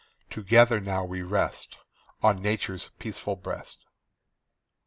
Together now we rest On Nature's peaceful breast.